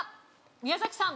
宮崎さん。